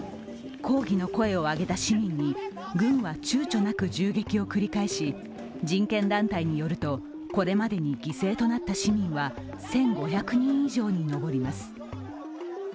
抗議の声を上げた市民に軍はちゅうちょなく攻撃を繰り返し人権団体によるとこれまでに犠牲となった市民は１５００人以上に上ります。